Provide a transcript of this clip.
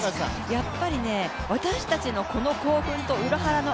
やっぱり私たちのこの興奮と裏腹の